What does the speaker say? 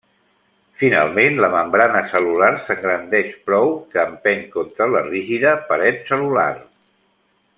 Finalment la membrana cel·lular s'engrandeix prou que empeny contra la rígida paret cel·lular.